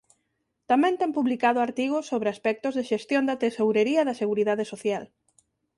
Tamén ten publicado artigos sobe aspectos de xestión da tesourería da Seguridade Social.